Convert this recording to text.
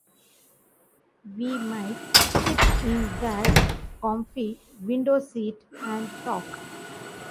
We might sit in that comfy window-seat and talk.